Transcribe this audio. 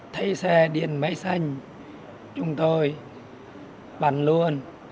thấy xe điện máy xanh chúng tôi bắn luôn